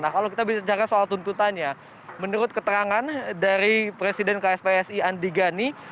nah kalau kita bicara soal tuntutannya menurut keterangan dari presiden kspsi andi gani